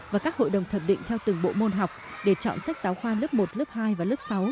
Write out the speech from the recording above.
và các hội đồng thẩm định theo từng bộ môn học để chọn sách giáo khoa lớp một lớp hai và lớp sáu